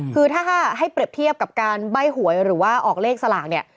คือถ้าให้เปรียบเทียบกับการใบ้หวยหรือว่าออกเลขสลากเนี่ย